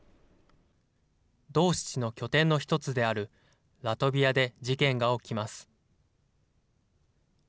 ドーシチの拠点の１つであるラトビアで事件が起きます。